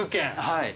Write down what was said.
はい。